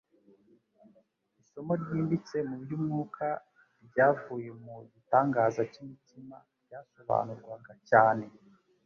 Isomo ryimbitse mu by'umwuka tyavuye mu gitangaza cy'imitsima ryasobanurwaga cyane